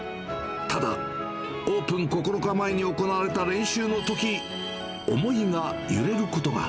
ただ、オープン９日前に行われた練習のとき、思いが揺れることが。